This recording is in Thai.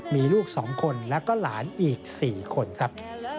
มีลูกสองคนและก็หลานอีกสี่คนครับ